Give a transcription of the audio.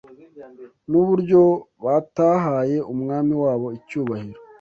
n’uburyo batahaye Umwami wabo icyubahiro